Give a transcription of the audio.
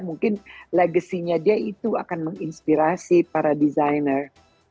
mungkin legacy nya dia itu akan menginspirasi para desainer